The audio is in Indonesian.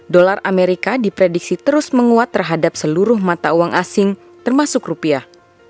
dolar amerika diprediksi terus menguat terhadap seluruh mata uang asing termasuk rupiah